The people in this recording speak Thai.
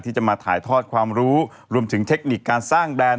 ที่จะมาถ่ายทอดความรู้รวมถึงเทคนิคการสร้างแบรนด์